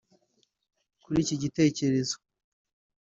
Kuri iki gitekerezo